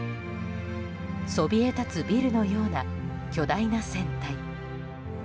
そびえ立つビルのような巨大な船体。